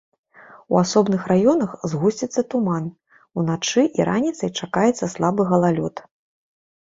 У асобных раёнах згусціцца туман, уначы і раніцай чакаецца слабы галалёд.